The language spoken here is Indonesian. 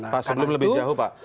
pak sebelum lebih jauh pak